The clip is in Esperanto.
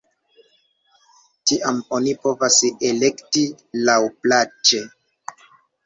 Tiam oni povas elekti laŭplaĉe.